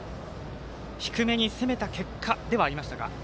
低めに攻めた結果ではありましたが。